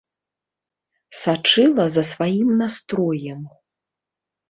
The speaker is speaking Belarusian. Сачыла за сваім настроем.